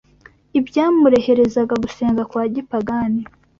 ibyamureherezaga gusenga kwa gipagani